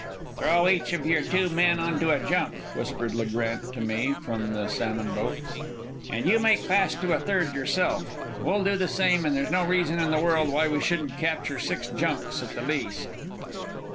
"Throw each of your two men on to a junk," whispered Le Grant to me from the salmon boat. "And you make fast to a third yourself. We'll do the same, and there's no reason in the world why we shouldn't capture six junks at the least."